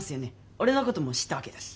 俺のこともう知ったわけだし？